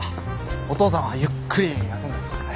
お父さんはゆっくり休んでください。